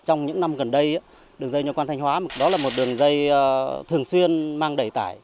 trong những năm gần đây đường dây nhòa quan thanh hóa là một đường dây thường xuyên mang đẩy tải